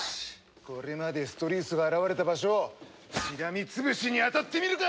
これまでストリウスが現れた場所をしらみつぶしに当たってみるか！